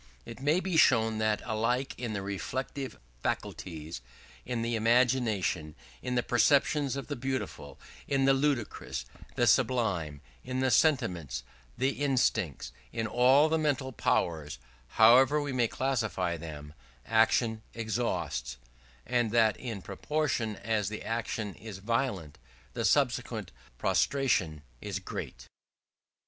It may be shown that alike in the reflective faculties, in the imagination, in the perceptions of the beautiful, the ludicrous, the sublime, in the sentiments, the instincts, in all the mental powers, however we may classify them action exhausts; and that in proportion as the action is violent, the subsequent prostration is great.